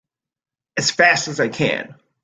As fast as I can!